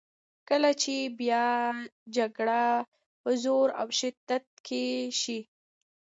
کله چې بیا جګړه په زور او شدت کې شي.